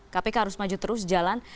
kpk harus maju terus jalan